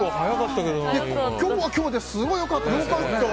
今日は今日ですごい良かったですよ。